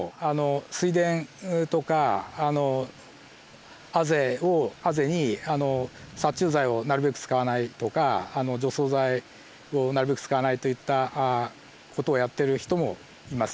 水田とかあぜに殺虫剤をなるべく使わないとか除草剤をなるべく使わないといった事をやっている人もいますね。